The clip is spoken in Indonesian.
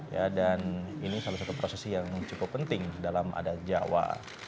ya dan ini salah satu prosesi yang cukup penting dalam adat jawa